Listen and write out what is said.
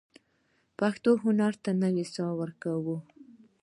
پښتو هنر ته نوې ساه ورکړو.